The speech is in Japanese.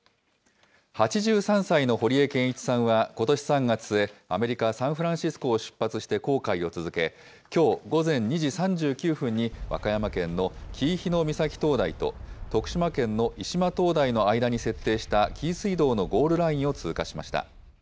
８３歳の堀江謙一さんは、ことし３月末、アメリカ・サンフランシスコを出発して航海を続け、きょう午前２時３９分に、和歌山県の紀伊日ノ御埼灯台と徳島県の伊島灯台の間に設定した、紀伊水道のゴールラインを通過しました。